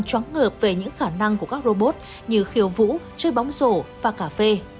chóng ngợp về những khả năng của các robot như khiêu vũ chơi bóng rổ và cà phê